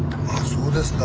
そうですか。